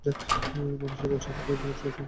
মানুষের বাছাই করা গমের অসংখ্য ধরন বিকশিত হয়েছে।